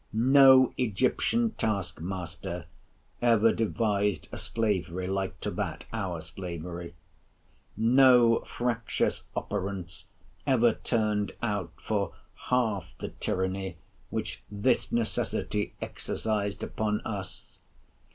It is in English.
No Egyptian taskmaster ever devised a slavery like to that, our slavery. No fractious operants ever turned out for half the tyranny, which this necessity exercised upon us.